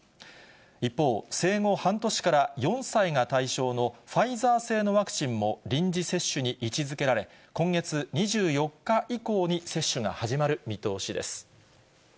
一方、生後半年から４歳が対象のファイザー製のワクチンも、臨時接種に今月２４日以降に接種が始まる見通しです。